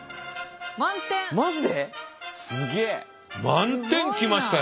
満点来ましたよ。